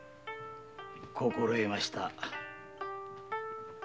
心得ました。